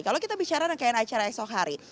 kalau kita bicara rangkaian acara esok hari